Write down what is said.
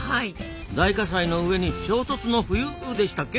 大火災の上に「衝突の冬」でしたっけ？